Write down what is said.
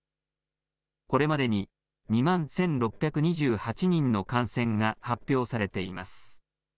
これまでに２万１６２８人の感染が発表されています。